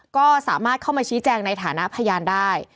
ก็สามารถเข้ามาชี้แจงในฐานะพยานได้